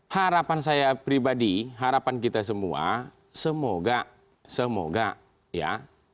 harapan saya pribadi harapan kita semua semoga semoga ya